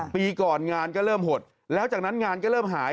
ปีก่อนงานก็เริ่มหดแล้วจากนั้นงานก็เริ่มหาย